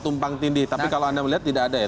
tumpang tindih tapi kalau anda melihat tidak ada ya